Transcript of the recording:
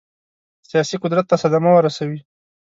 سیاسي قدرت ته صدمه ورسوي.